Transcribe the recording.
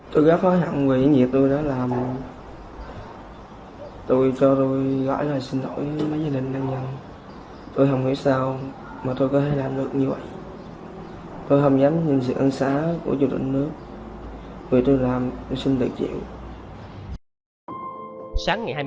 ba mươi bốn triệu đồng